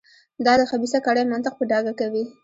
دا د خبیثه کړۍ منطق په ډاګه کوي.